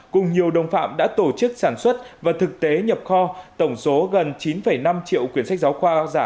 cùng nhiều đồng phạm đã tổ chức sản xuất và thực tế nhập kho tổng số gần chín năm triệu quyền sách giáo khoa giả